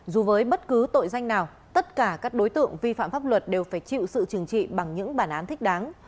dù với bất cứ tội danh nào tất cả các đối tượng vi phạm pháp luật đều phải chịu sự trừng trị bằng những bản án thích đáng